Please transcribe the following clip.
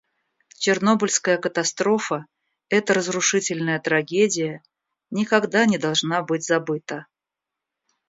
Чернобыльская катастрофа, эта разрушительная трагедия, никогда не должна быть забыта.